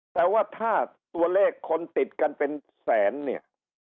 แต่ว่าถ้าตัวเลขคนติดกันเป็นแสนเนี่ย